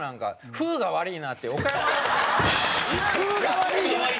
風が悪い。